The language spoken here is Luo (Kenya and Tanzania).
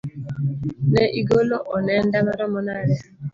ne igolo onenda maromo nade?